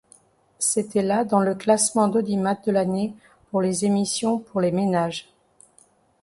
C’était la dans le classement d’audimat de l’année pour les émissions pour les ménages.